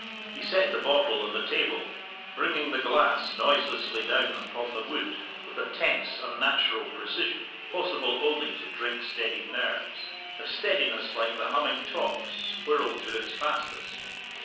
He set the bottle on the table, bringing the glass noiselessly down upon the wood, with a tense, unnatural precision possible only to drink steadied nerves a steadiness like the humming top's whirled to its fastest.